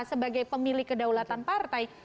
sebagai pemilih kedaulatan partai